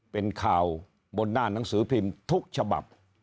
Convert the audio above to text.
เป็นข่าวบนหน้าหนังสือพิมพ์ทุกฉบับ